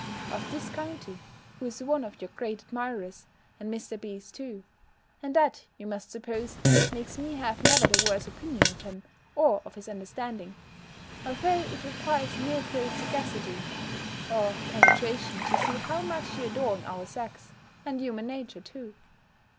of this county, who is one of your great admirers, and Mr. B.'s too; and that, you must suppose, makes me have never the worse opinion of him, or of his understanding; although it requires no great sagacity or penetration to see how much you adorn our sex, and human nature too.